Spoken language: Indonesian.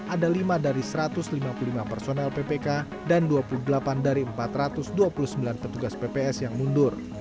ada lima dari satu ratus lima puluh lima personel ppk dan dua puluh delapan dari empat ratus dua puluh sembilan petugas pps yang mundur